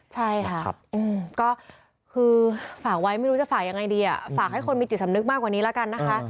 ใช่ค่ะก็คือฝากไว้ไม่รู้จะฝากยังไงดีฝากให้คนมีจิตสำนึกมากกว่านี้แล้วกันนะคะ